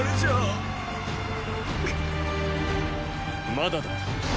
まだだ。